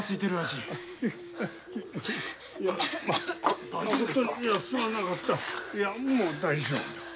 いやもう大丈夫だ。